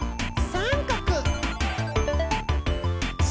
さんかく！